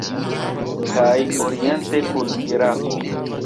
Kaj oriente kun Irako.